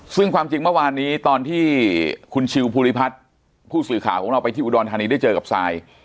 ซึ่งความจริงเมื่อวานนี้ตอนที่คุณชิวภูริพัฒน์ผู้สื่อข่าวของเราไปที่อุดรธานีได้เจอกับซาย